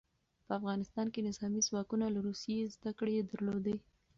په افغانستان کې نظامي ځواکونه له روسیې زدکړې درلودې.